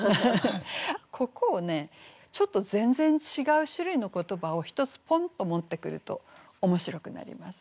ここをねちょっと全然違う種類の言葉を一つポンと持ってくると面白くなります。